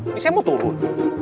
ini saya mau turun